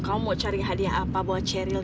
kamu mau cari hadiah apa buat sheryl